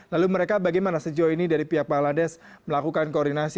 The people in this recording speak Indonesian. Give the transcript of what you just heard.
lalu mereka bagaimana sejauh ini dari pihak bangladesh melakukan koordinasi